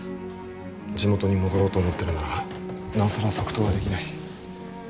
地元に戻ろうと思ってるならなおさら即答はできない。